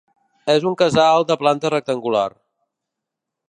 És un casal de planta rectangular.